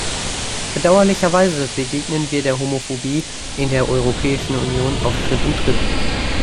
Bedauerlicherweise begegnen wir der Homophobie in der Europäischen Union auf Schritt und Tritt.